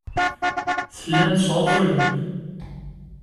Tellam tesɛuẓẓugem.